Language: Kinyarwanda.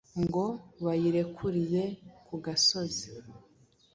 Ngo bayirekuriye ku gasozi,